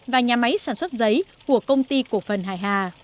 và nhà máy sản xuất giấy của công ty cổ phần hải hà